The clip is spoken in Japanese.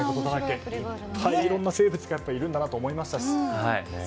いろんな生物がいるんだなと思いましたし。